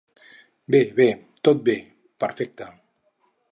Bé, bé, tot bé, perfecte.